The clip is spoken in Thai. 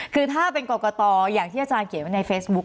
คือถ้าเป็นกรกตอย่างที่อาจารย์เขียนไว้ในเฟซบุ๊ค